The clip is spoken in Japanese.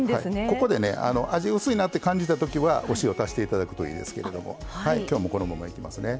ここでね味薄いなって感じたときはお塩足していただくといいですけれども今日はこのままいきますね。